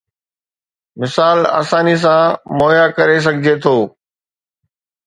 مثال آساني سان مهيا ڪري سگهجي ٿو